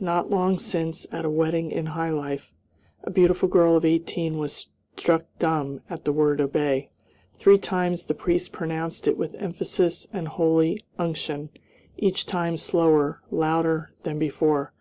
Not long since, at a wedding in high life, a beautiful girl of eighteen was struck dumb at the word "obey." Three times the priest pronounced it with emphasis and holy unction, each time slower, louder, than before.